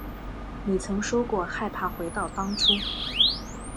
你曾说过害怕回到当初